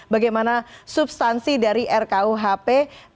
bagaimana substansi dari rkuhp